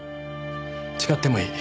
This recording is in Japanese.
誓ってもいい。